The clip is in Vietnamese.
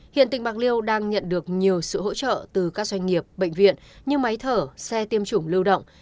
hiện tỉnh bạc liêu đang nhận được nhiều sự hỗ trợ từ các doanh nghiệp bệnh viện như máy thở xe tiêm chủng lưu động